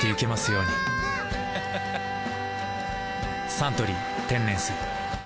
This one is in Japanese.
「サントリー天然水」